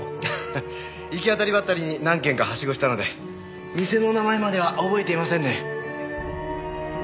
ハハッ行き当たりばったりに何軒かはしごしたので店の名前までは覚えていませんね。